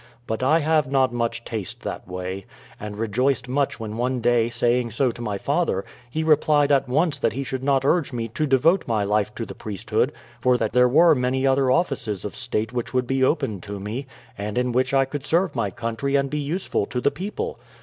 But I have not much taste that way, and rejoiced much when one day saying so to my father, he replied at once that he should not urge me to devote my life to the priesthood, for that there were many other offices of state which would be open to me, and in which I could serve my country and be useful to the people.